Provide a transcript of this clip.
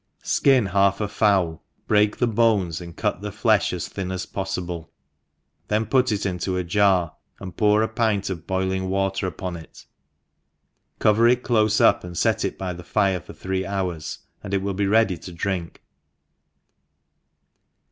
SKIN half a fowl» break the bones, and cut the flefli as thin as poflible, then put it into a Jar, and pour a pint of boiling water upon it, cover it clofe up, and fet it by the fire for thref |iours» and it win be ready to drink^ 3V /w^^?